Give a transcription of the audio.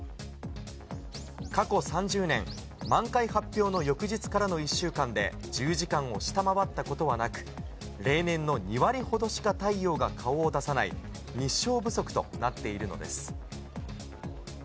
過去３０年、満開発表の翌日からの１週間で１０時間を下回ったことはなく、例年の２割ほどしか太陽が顔を出さない日照不足となっているのです。